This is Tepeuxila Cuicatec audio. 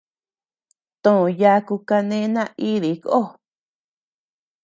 To yaku kane naidii koo.